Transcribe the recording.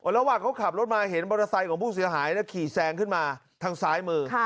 ระหว่างเขาขับรถมาเห็นบรสไซส์ของผู้เสี่ยงหายนี่ขี่แซงขึ้นมาทางสายมือ